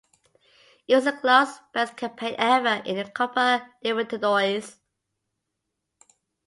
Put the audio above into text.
It was the club's best campaign ever in the Copa Libertadores.